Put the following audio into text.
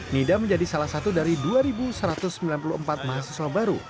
nida menjadi salah satu dari dua satu ratus sembilan puluh empat mahasiswa baru